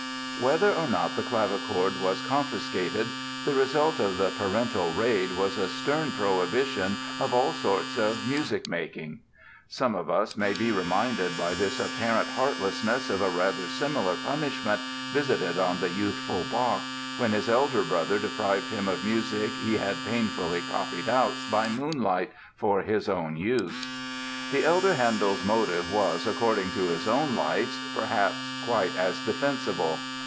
Whether or not the clavichord was confiscated the result of the parental raid was a stern prohibition of all sorts of music making. Some of us may be reminded by this apparent heartlessness of a rather similar punishment visited on the youthful Bach, when his elder brother deprived him of music he had painfully copied out by moonlight for his own use. The elder Handel's motive was, according to his own lights, perhaps quite as defensible.